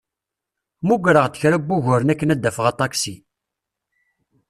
Mmugreɣ-d kra n wuguren akken ad d-afeɣ aṭaksi.